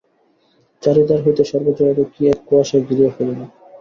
চারিধার হইতে সর্বজয়াকে কি এক কুয়াশায় ঘিরিয়া ফেলিল!